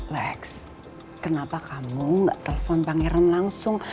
lex kenapa kamu nggak telepon pangeran langsung